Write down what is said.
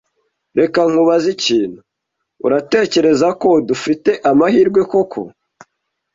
Reka nkubaze ikintu, Uratekereza ko dufite amahirwe koko?